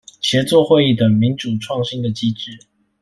協作會議等民主創新的機制